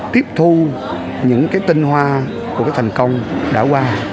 tiếp thu những cái tinh hoa của cái thành công đã qua